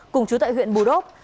cùng chú tại huyện bù đốt